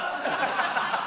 ハハハ！